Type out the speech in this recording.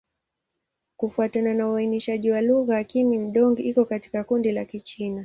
Kufuatana na uainishaji wa lugha, Kimin-Dong iko katika kundi la Kichina.